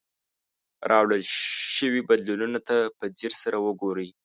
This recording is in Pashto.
راوړل شوي بدلونونو ته په ځیر سره وګورئ.